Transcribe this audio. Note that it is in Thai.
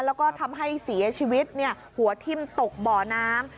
แล้วก็ทำให้เสียชีวิตหัวทิ่มตกบ่อน้ำ